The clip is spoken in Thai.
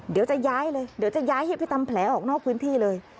เดี๋ยวจะย้ายเลยเดี๋ยวจะย้ายให้ไปทำแผลออกนอกพื้นที่เลย